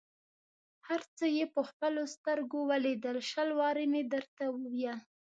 هر څه یې په خپلو سترګو ولیدل، شل وارې مې درته وویل.